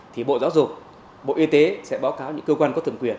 thì bộ giáo dục bộ y tế sẽ báo cáo những cơ quan có thường quyền